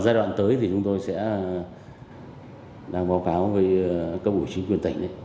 giai đoạn tới thì chúng tôi sẽ đang báo cáo với cấp ủy chính quyền tỉnh